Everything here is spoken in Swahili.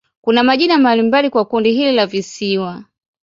Kuna majina mbalimbali kwa kundi hili la visiwa.